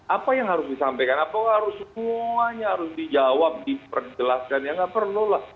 apa yang harus disampaikan apa harus semuanya harus dijawab diperjelaskan ya nggak perlu lah